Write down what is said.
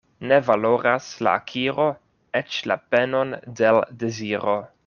Ne valoras la akiro eĉ la penon de l' deziro.